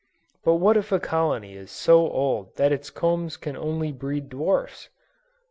But what if a colony is so old that its combs can only breed dwarfs?